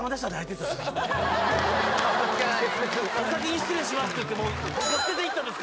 ここ「お先に失礼します」って言って僕を捨てていったんです